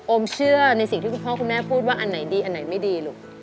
เชื่อในสิ่งที่คุณพ่อคุณแม่พูดว่าอันไหนดีอันไหนไม่ดีลูก